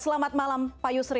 selamat malam pak yusri